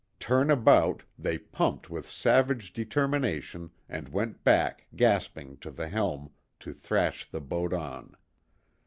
Turn about, they pumped with savage determination and went back, gasping, to the helm, to thrash the boat on.